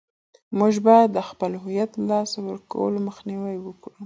موږ باید د خپل هویت له لاسه ورکولو مخنیوی وکړو.